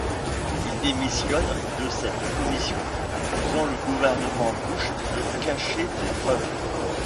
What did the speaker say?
Il démissionne de cette commission, accusant le gouvernement Bush de cacher des preuves.